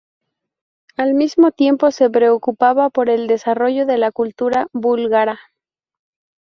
Al mismo tiempo se preocupaba por el desarrollo de la cultura búlgara.